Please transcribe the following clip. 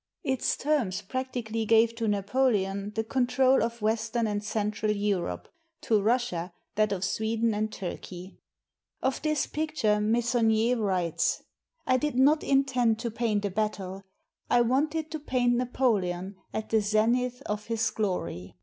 Its terms practically gave to Napo leon the control of western and central Europe; to Russia that of Sweden and Turkey. Of this picture Meissonier writes: "I did not intend to paint a battle — I wanted to paint Napoleon at the zenith of his glory.